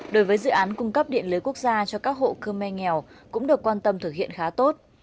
đối với dự án cung cấp điện lưới quốc gia cho các hộ cơ me nghèo cũng được quan tâm thực hiện khá tốt